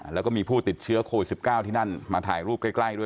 แล้วก็มีผู้ติดเชื้อโควิด๑๙ที่นั่นมาถ่ายรูปใกล้ด้วย